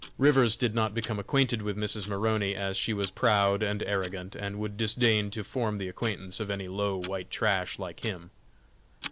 Rivers did not become acquainted with Mrs. Maroney, as she was proud and arrogant, and would disdain to form the acquaintance of any low "white trash" like him.